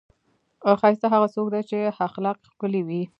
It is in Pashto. ښایسته هغه څوک دی، چې اخلاق یې ښکلي وي.